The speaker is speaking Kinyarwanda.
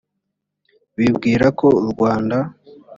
bibwira ko u rwanda